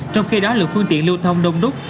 trong khi đó lượng phương tiện lưu thông đông đúc